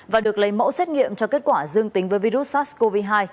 và được lấy mẫu xét nghiệm cho kết quả dương tính với virus sars cov hai